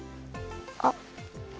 あっ。